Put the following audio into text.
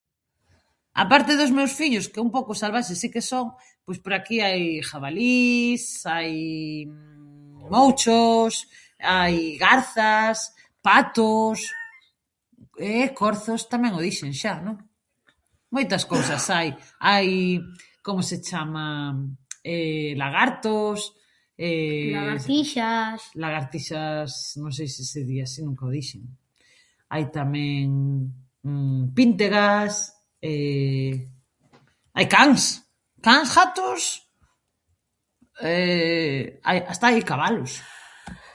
A parte dos meus fillos que un pouco salvaxe si que son, pois por aquí hai jabalís, hai mouchos, hai garzas, patos e corzos tamén o dixen xa, non? Moitas cousas hai. Hai, como se chama? Lagartos. Lagartixas. Lagartixas, non sei se se di así, nunca o dixen. Hai tamén píntegas, hai cans, cans, ghatos hai, hasta hai cabalos.